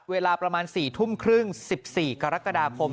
เวลาประมาณ๔ทุ่มครึ่ง๑๔กรกฎาคม